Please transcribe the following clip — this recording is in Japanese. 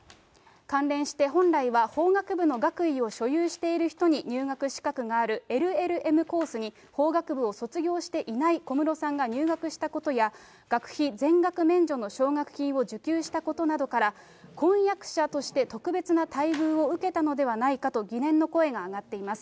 関連して、本来は法学部の学位を所有している人に入学資格があるＬＬＭコースに法学部を卒業していない小室さんが入学したことや、学費全額免除の奨学金を受給したことなどから、婚約者として特別な待遇を受けたのではないかと疑念の声が上がっています。